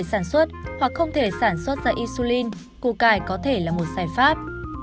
sản xuất hoặc không thể sản xuất ra isulin củ cải có thể là một giải pháp